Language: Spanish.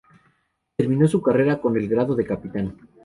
Terminó su carrera con el grado de capitán.